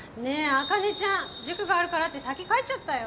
茜ちゃん塾があるからって先帰っちゃったよ